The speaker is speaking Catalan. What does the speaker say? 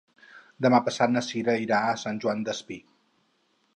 Demà passat na Cira irà a Sant Joan Despí.